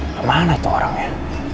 kemana itu orangnya